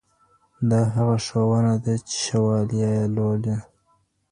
دا هغه ښوونه ده چي شواليه يې لولي.